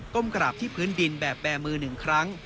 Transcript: ก้มกราบที่พื้นดินแบบแบมือหนึ่งครั้ง